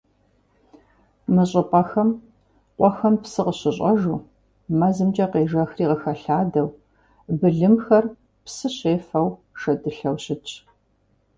Мы щӀыпӀэхэм, къуэхэм псы къыщыщӀэжу, мэзымкӀэ къежэхри къыхэлъадэу, былымхэр псы щефэу шэдылъэу щытщ.